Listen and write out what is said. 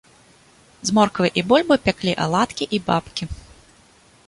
З морквы і бульбы пяклі аладкі і бабкі.